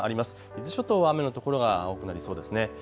伊豆諸島は雨の所が多くなりそうですね。